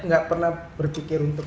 gak pernah berpikir untuk